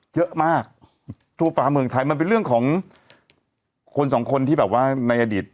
เยอะมากทั่วฟ้าเมืองไทยมันเป็นเรื่องของคนสองคนที่แบบว่าในอดีต